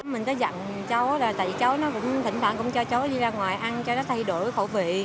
mình có dặn cháu là tại cháu nó cũng thỉnh thoảng cũng cho cháu đi ra ngoài ăn cho nó thay đổi khẩu vị